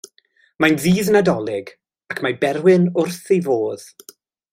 Mae'n ddydd Nadolig ac mae Berwyn wrth ei fodd!